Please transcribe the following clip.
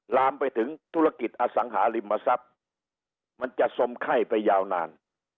ลามไปถึงธุรกิจอสังหาริมทรัพย์มันจะสมไข้ไปยาวนาน